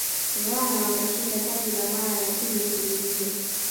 ghana wakashinda taji kwa mara ya pili mfululizo